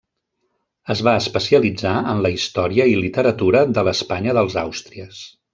Es va especialitzar en la història i literatura de l'Espanya dels Àustries.